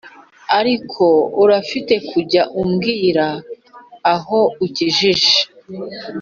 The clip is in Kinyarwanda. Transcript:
ariko urafite kujya umbwira aho bigeze